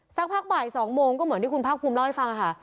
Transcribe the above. สักพักบ่าย๒โมงก็เหมือนที่คุณภาคภูมิเล่าให้ฟังค่ะ